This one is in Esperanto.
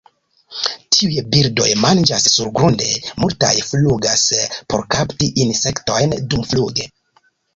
Tiuj birdoj manĝas surgrunde, multaj flugas por kapti insektojn dumfluge.